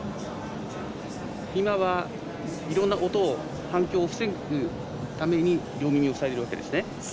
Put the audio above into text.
今は、いろいろな音の反響を防ぐために両耳を塞いでいるわけですね。